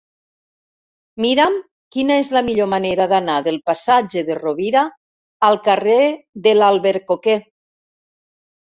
Mira'm quina és la millor manera d'anar del passatge de Rovira al carrer de l'Albercoquer.